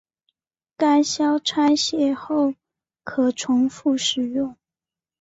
该销拆卸后可重复使用。